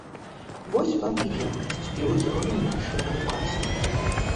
Вось вам і якасць, і ўзровень нашай адукацыі.